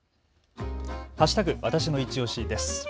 わたしのいちオシです。